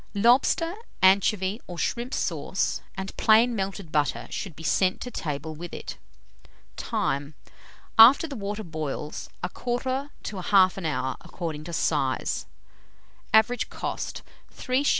Lobster, anchovy, or shrimp sauce, and plain melted butter, should be sent to table with it. Time. After the water boils, 1/4 to 1/2 hour, according to size. Average cost, 3s.